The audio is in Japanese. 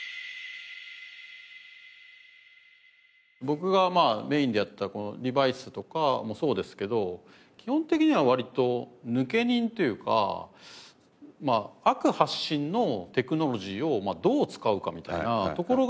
僕がメインでやってたこの『リバイス』とかもそうですけど基本的には割と抜け忍というか悪発信のテクノロジーをどう使うかみたいなところが。